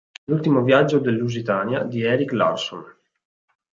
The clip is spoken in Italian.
L'ultimo viaggio del Lusitania" di Erik Larson.